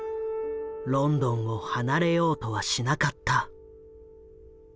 ロンドンを離れようとはしなかった。